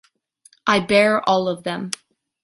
I bear all of them.